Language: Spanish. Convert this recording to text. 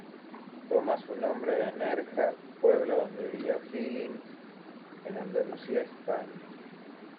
Toma su nombre de Nerja, pueblo donde vivió Higgins, en Andalucía, España.